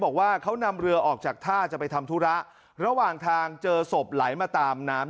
บอกว่าเขานำเรือออกจากท่าจะไปทำธุระระหว่างทางเจอศพไหลมาตามน้ำ